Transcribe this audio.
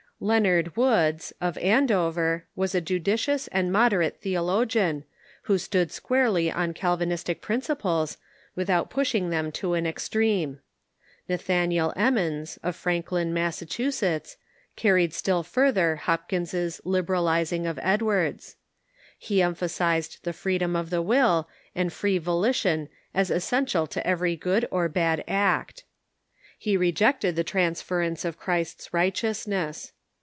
Leonard Woods, of Andover, was a judicious and moderate theologian, who stood squarely on Calvinistic principles, with c out pushinof them to an extreme. Nathanael Em Emmons, . Taylor, mons, of Franklin, Massachusetts, carried still further ^^^^ Hopkins's liberalizing of Edwards. He emphasized the freedom of the Avill, and free volition as essential to every good or bad act. He rejected the transference of Christ's righteousness.